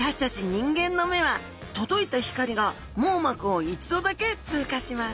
人間の目は届いた光が網膜を一度だけ通過します。